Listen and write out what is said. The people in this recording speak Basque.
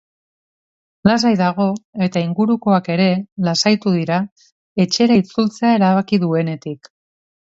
Lasai dago eta ingurukoak ere lasaitu dira etxera itzultzea erabaki duenetik.